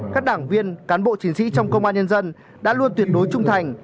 các đảng viên cán bộ chiến sĩ trong công an nhân dân đã luôn tuyệt đối trung thành